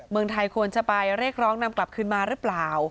เมืองไทยควรจะไปเรียกร้องนำกลับคืนมาหรือเปล่า